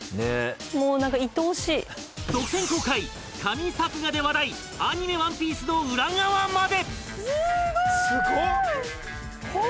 独占公開、神作画で話題アニメ「ＯＮＥＰＩＥＣＥ」の裏側まで。